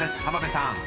浜辺さん］